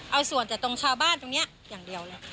เอาส่วนจากตรงคาบ้านตรงนี้อย่างเดียวเลย